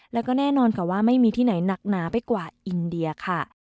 แล้วก็แน่นอนค่ะว่าไม่มีที่ไหนหนักหนาไปกว่าอินเดียค่ะ